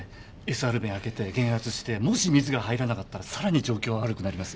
ＳＲ弁開けて減圧してもし水が入らなかったら更に状況は悪くなります。